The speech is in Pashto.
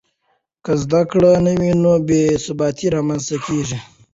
که زده کړه نه وي، بې ثباتي رامنځته کېږي.